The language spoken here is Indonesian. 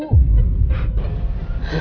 butik kamu kebakar